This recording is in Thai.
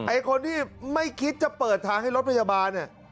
ไอ้คนที่ไม่คิดจะเปิดทางให้รถพยาบาลเนี่ย